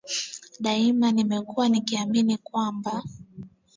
Daima nimekua nikiamini kwamba